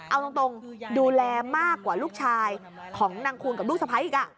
เอาตรงดูแลมากกว่าลูกชายของนางคูณกับลูกสะพ้ายอีก